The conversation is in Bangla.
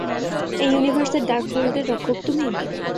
এই ইউনিভার্সের ডার্কহোল্ডের রক্ষক তুমি?